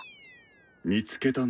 見つけたの？